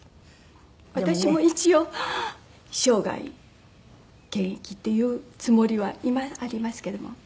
私も一応生涯現役っていうつもりは今ありますけども。